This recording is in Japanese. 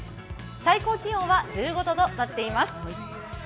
最高気温は１５度となっています。